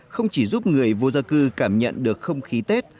không chỉ giúp người vô gia cư cảm nhận được không khí tết